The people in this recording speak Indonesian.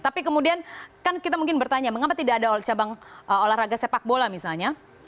tapi kemudian kan kita mungkin bertanya mengapa tidak ada cabang olahraga sepak bola misalnya